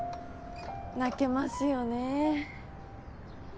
泣けますよね。